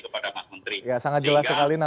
kepada mas menteri sehingga